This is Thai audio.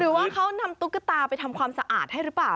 หรือว่าเขานำตุ๊กตาไปทำความสะอาดให้หรือเปล่า